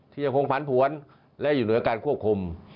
ยังคงผันผวนและอยู่เหนือการควบคุม